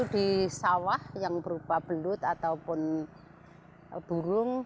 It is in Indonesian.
di sawah yang berupa belut ataupun burung